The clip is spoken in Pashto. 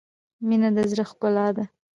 • مینه د زړۀ ښکلا ده.